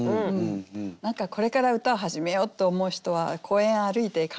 何かこれから歌を始めようって思う人は公園歩いて考えるかもしれないし。